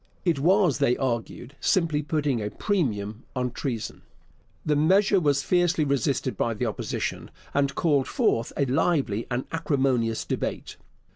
It was, they argued, simply putting a premium on treason. The measure was fiercely resisted by the Opposition, and called forth a lively and acrimonious debate.